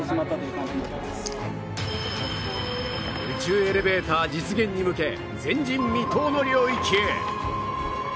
宇宙エレベーター実現に向け前人未到の領域へ